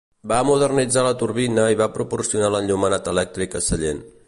Va modernitzar la turbina i va proporcionar l'enllumenat elèctric a Sallent.